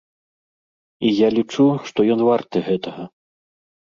І я лічу, што ён варты гэтага.